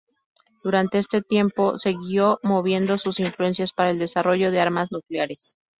Durante este tiempo, siguió moviendo sus influencias para el desarrollo de armas nucleares.